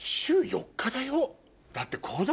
だって。